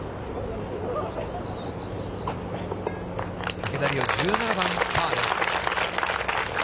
竹田麗央、１７番パーです。